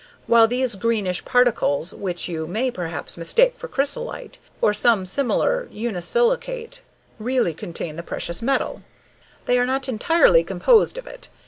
While these greenish particles, which you may perhaps mistake for chrysolite, or some similar unisilicate, really contain the precious metal, they are not entirely composed of it.